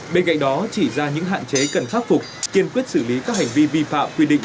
bên cạnh đó chỉ ra những hạn chế cần khắc phục kiên quyết xử lý các hành vi vi phạm quy định